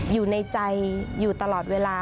อยู่ในใจอยู่ตลอดเวลา